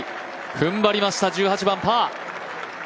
踏ん張りました１８番、パー。